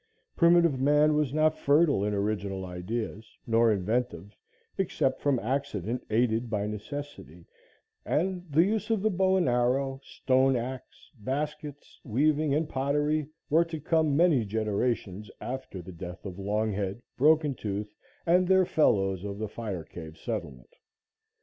Primitive man was not fertile in original ideas, nor inventive, except from accident aided by necessity, and the use of the bow and arrow, stone axe, baskets, weaving and pottery were to come many generations after the death of Longhead, Broken Tooth and their fellows of the fire cave settlement.